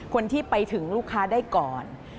คนที่ไปถึงลูกค้าได้ก่อน